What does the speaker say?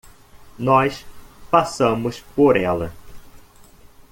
Nós passamos por ela.